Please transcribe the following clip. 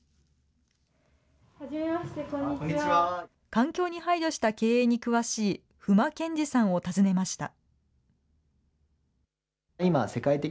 環境に配慮した経営に詳しい、夫馬賢治さんを訪ねました。